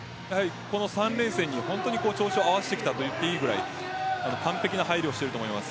この３連戦に調子を合わせてきたといっていいくらい完璧な配慮をしていると思います。